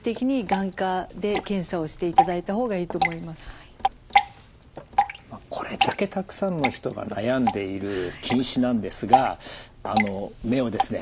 そしてこれだけたくさんの人が悩んでいる近視なんですがあの目をですね